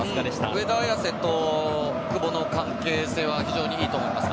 上田綺世と久保の関係性はいいと思います。